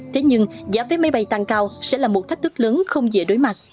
thế nhưng giá vé máy bay tăng cao sẽ là một thách thức lớn không dễ đối mặt